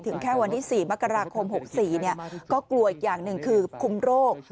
แค่วันที่๔มกราคม๖๔ก็กลัวอีกอย่างหนึ่งคือคุมโรค